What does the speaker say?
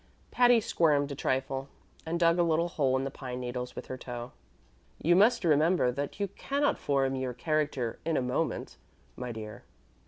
Patty squirmed a trifle, and dug a little hole in the pine needles with her toe. "You must remember that you cannot form your character in a moment, my dear.